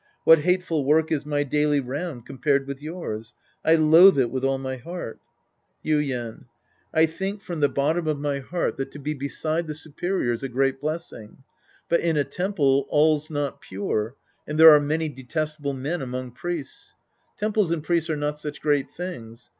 What hateful work is my daily round compared with yours. I loathe it with all my heart. iiJ^^uien. I think from the bottom of my heart that Sc. I The Priest and His IDisciples 151 to be beside the superior's a great blessing. But in a temple all's not pure, and there are many detesta ble men among priests. Temples and priests are not such great things.